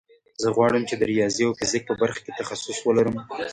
زه غواړم چې د ریاضي او فزیک په برخه کې تخصص ولرم